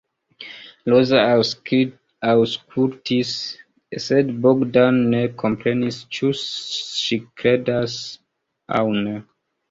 Roza aŭskultis, sed Bogdan ne komprenis ĉu ŝi kredas aŭ ne.